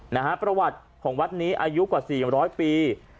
นะฮะประวัติของวัดนี้อายุกว่าสี่ร้อยปี